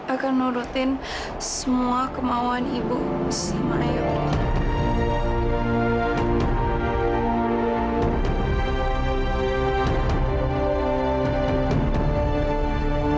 akan nurutin semua kemauan ibu sama ayahku